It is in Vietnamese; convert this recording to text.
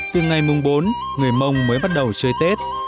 từ ngày mùng bốn người mông mới bắt đầu chơi tết